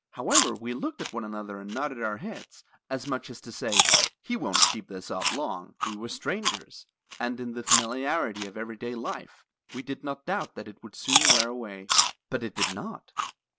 However we looked at one another and nodded our heads, as much as to say, 'He won't keep this up long.' We were strangers, and in the familiarity of every day life we did not doubt that it would soon wear away. "But it did not.